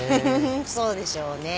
そうでしょうね。